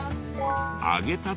揚げたて